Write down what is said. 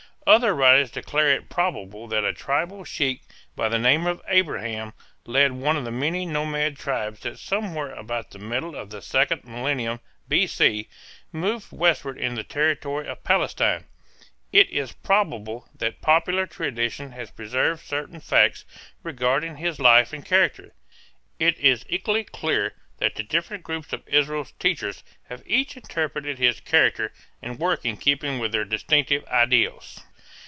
Other writers declare it probable that a tribal sheik by the name of Abraham led one of the many nomad tribes that somewhere about the middle of the second millenium B.C. moved westward into the territory of Palestine. It is probable that popular tradition has preserved certain facts regarding his life and character. It is equally clear that the different groups of Israel's teachers have each interpreted his character and work in keeping with their distinctive ideals.